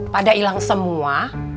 pada ilang semua